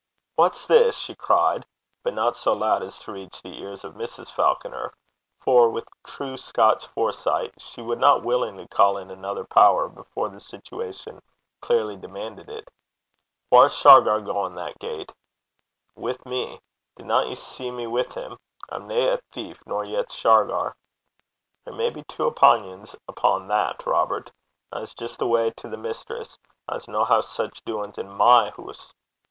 'What's this?' she cried, but not so loud as to reach the ears of Mrs. Falconer; for, with true Scotch foresight, she would not willingly call in another power before the situation clearly demanded it. 'Whaur's Shargar gaein' that gait?' 'Wi' me. Dinna ye see me wi' him? I'm nae a thief, nor yet's Shargar.' 'There may be twa opingons upo' that, Robert. I s' jist awa' benn to the mistress. I s' hae nae sic doin's i' my hoose.'